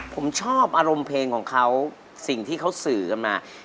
เพราะว่าเพราะว่าเพราะ